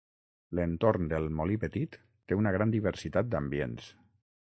L'entorn del Molí Petit té una gran diversitat d'ambients.